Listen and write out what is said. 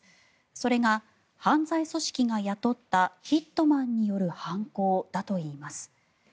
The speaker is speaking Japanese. それが犯罪組織が雇ったヒットマンによる犯行だといいます。